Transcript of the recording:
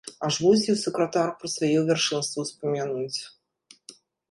Аж мусіў сакратар пра сваё вяршэнства ўспамянуць.